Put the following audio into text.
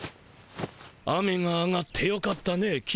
雨が上がってよかったね公。